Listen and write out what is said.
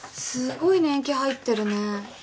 すごい年季入ってるね。